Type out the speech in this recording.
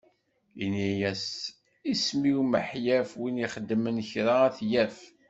Ini-as: isem-iw Miḥyaf, win ixedmen kra ad t-yaf.